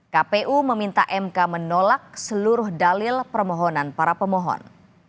kpu meminta mk menolak seluruh dalil permohonan para pemohon